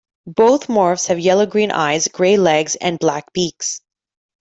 Both morphs have yellow-green eyes, grey legs and black beaks.